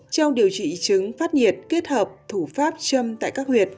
trong điều trị chứng phát nhiệt kết hợp thủ pháp châm tại các huyện